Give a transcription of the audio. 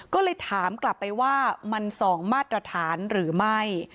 ก็เลยถามกลับไปว่ามัน๒มาตรฐานหรือไม่